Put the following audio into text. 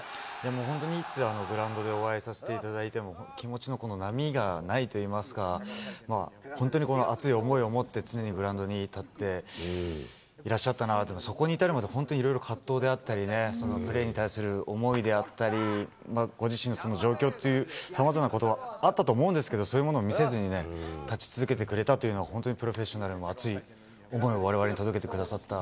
本当にいつグラウンドでお会いさせていただいても、気持ちの波がないといいますか、本当にこの熱い思いを持って常にグラウンドに立っていらっしゃったなと思って、そこに至るまで本当いろいろ葛藤であったりね、そのプレーに対する思いであったり、ご自身の状況っていう、さまざまなこと、あったと思うんですけど、そういうものを見せずにね、立ち続けてくれたっていうのは本当にプロフェッショナルの熱い思いをわれわれに届けてくださった、